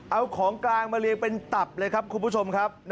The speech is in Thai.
เอาของกลางมาเรียงเป็นตับเลยครับคุณผู้ชมครับ